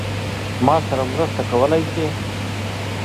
ما سره مرسته کولای شې؟